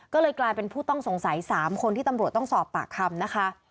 ก็เลยกลายเป็นผู้ต้องสงสัย๓คนที่ตำรวจต้องสอบปากคำนะคะ